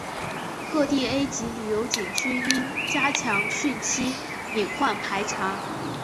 各地 A 级旅游景区应加强汛期隐患排查